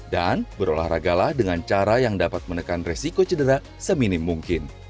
dan berolahragalah dengan cara yang dapat menekan resiko cedera seminim mungkin